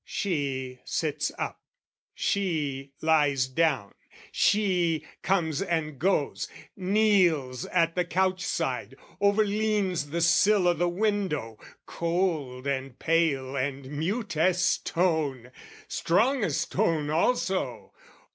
She sits up, she lies down, she comes and goes, Kneels at the couch side, overleans the sill O' the window, cold and pale and mute as stone, Strong as stone also.